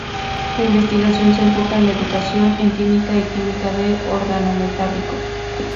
Su investigación se enfoca en educación en Química y química de organometálicos.